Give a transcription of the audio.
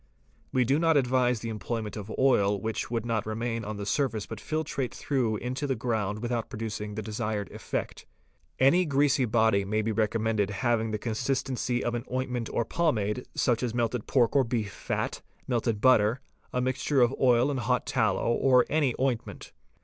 We do not advise the employment of oil which would not remain on the surface but filtrate through into the ground without producing the desired effect. Any greasy body may be recommended having the consistency of an ointment or pommade, such as melted pork or beef fat, melted butter, a mixture of oil and hot tallow, or any ointment.